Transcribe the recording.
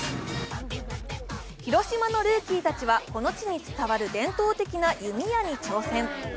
広島のルーキーたちはこの地に伝わる伝統的な弓矢に挑戦。